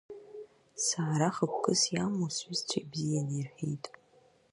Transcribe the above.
Саара хықкәыс иамоу, сҩызцәа ибзианы ирҳәеит.